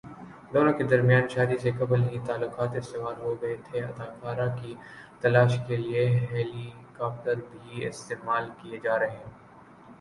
دونوں کے درمیان شادی سے قبل ہی تعلقات استوار ہوگئے تھےاداکارہ کی تلاش کے لیے ہیلی کاپٹرز بھی استعمال کیے جا رہے